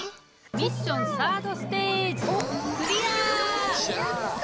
ミッションサードステージやった！